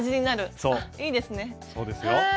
そうですよ。